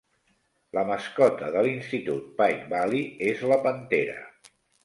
La mascota de l'Institut Pike Valley és la pantera.